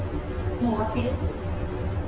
もう終わってる？